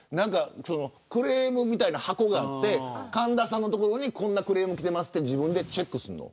クレームみたいな箱があって神田さんのところにこんなクレームがきてますと自分でチェックするの。